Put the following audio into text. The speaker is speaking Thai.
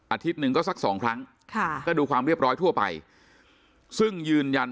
อาทิตย์นึงก็สัก๒ครั้งก็ดูความเรียบร้อยทั่วไปซึ่งยืนยัน